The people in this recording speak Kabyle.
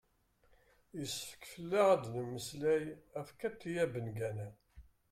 yessefk fell-aɣ ad d-nemmeslay ɣef katia bengana